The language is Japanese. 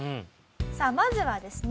さあまずはですね